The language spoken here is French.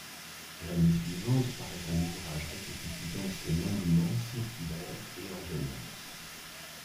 L'année suivante parait un ouvrage récapitulant ses mandements, circulaires et ordonnances.